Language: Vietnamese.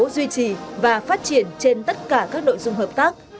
duy trì và phát triển trên tất cả các nội dung hợp tác